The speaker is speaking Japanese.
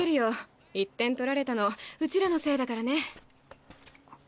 １点取られたのうちらのせいだからね。